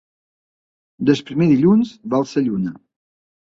Del primer dilluns val la lluna.